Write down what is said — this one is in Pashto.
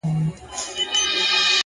• هر ناحق ته حق ویل دوی ته آسان وه ,